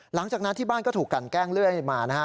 หลังจากนั้นที่บ้านก็ถูกกันแกล้งเรื่อยมานะฮะ